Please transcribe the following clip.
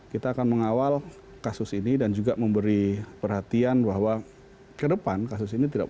kita akan mengawal kasus ini dan juga memberi perhatian bahwa ke depan kasus ini tidak